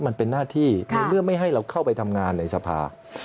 มันเป็นหน้าที่ในเมื่อไม่ให้เราเข้าไปทำงานในสภา